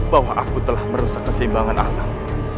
bahwa aku telah merusak keseimbangan anak